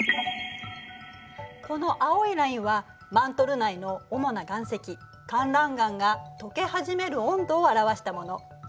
この青いラインはマントル内のおもな岩石かんらん岩がとけはじめる温度を表したもの。